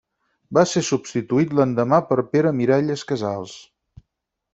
Va ser substituït l'endemà per Pere Miralles Casals.